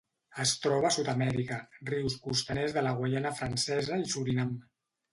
Es troba a Sud-amèrica: rius costaners de la Guaiana Francesa i Surinam.